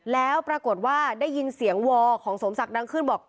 แล้วปรากฏว่าได้ยินเสียงวอของสมศักดิดังขึ้นบอก